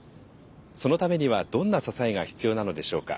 そのためにはどんな支えが必要なのでしょうか。